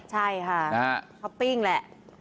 ใช่ค่ะท็อปปิ้งแหละ